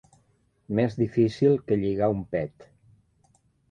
Més difícil que lligar un pet.